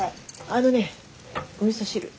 あのねおみそ汁。